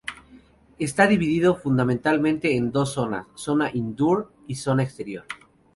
Está dividido fundamentalmente en dos zonas, Zona Indoor y Zona Exterior.